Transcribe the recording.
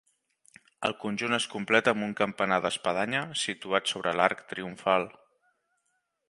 El conjunt es completa amb un campanar d'espadanya situat sobre l'arc triomfal.